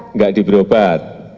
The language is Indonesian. enggak diberi obat